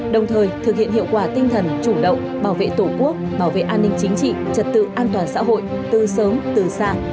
đồng thời thực hiện hiệu quả tinh thần chủ động bảo vệ tổ quốc bảo vệ an ninh chính trị trật tự an toàn xã hội từ sớm từ xa